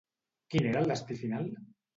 Quin era el destí final?